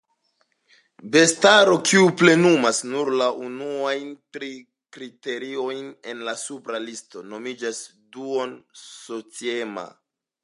Bestaro, kiu plenumas nur la unuajn tri kriteriojn el la supra listo, nomiĝas duon-sociema.